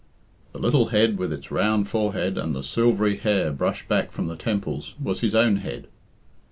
The little head, with its round forehead and the silvery hair brushed back from the temples, was his own head.